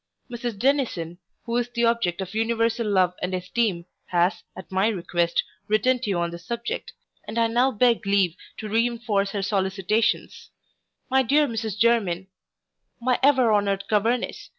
Mrs Dennison, who is the object of universal love and esteem, has, at my request, written to you on this subject, and I now beg leave to reinforce her sollicitations. My dear Mrs Jermyn! my ever honoured governess!